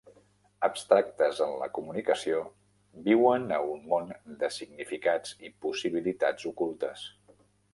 Abstractes en la comunicació, viuen a un món de significats i possibilitats ocultes.